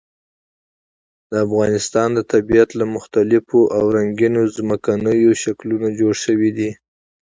د افغانستان طبیعت له مختلفو او رنګینو ځمکنیو شکلونو جوړ شوی دی.